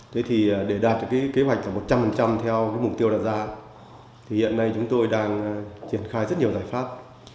thế thì để đạt được cái kế hoạch là một trăm linh theo cái mục tiêu đạt ra thì hiện nay chúng tôi đang triển khai rất nhiều giải pháp